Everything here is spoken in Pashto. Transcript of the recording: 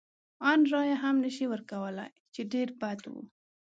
ان رایه هم نه شي ورکولای، چې ډېر بد و.